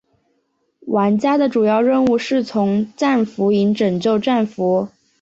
玩家的主要任务是从战俘营拯救战俘。